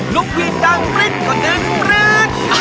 ลุกวีดั่งมริษกล่องกืนกูเปรเลย